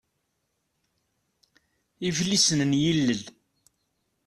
Iflisen n yilel.